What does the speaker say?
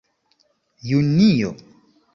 junio